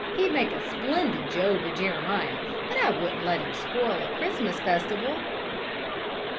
He'd make a splendid Job or Jeremiah, but I wouldn't let him spoil a Christmas festival!"